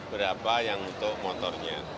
berapa yang untuk motornya